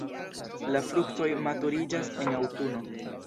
La fruktoj maturiĝas en aŭtuno.